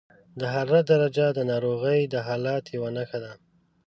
د حرارت درجه د ناروغۍ د حالت یوه نښه ده.